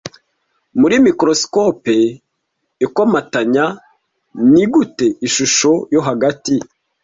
Muri microscope ikomatanya, ni gute ishusho yo hagati